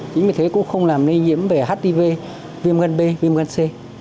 chính vì thế cũng không làm lây nhiễm về hiv viêm gân b viêm gân c